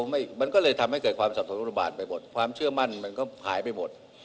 มันก็เลยทำให้เกิดความสับสนุนบาทไปหมดความเชื่อมั่นมันก็หายไปหมด